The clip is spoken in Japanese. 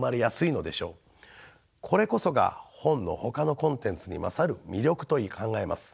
これこそが本のほかのコンテンツに勝る魅力と考えます。